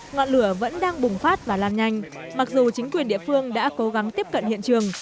ngọn lửa vẫn đang bùng phát và lan nhanh mặc dù chính quyền địa phương đã cố gắng tiếp cận hiện trường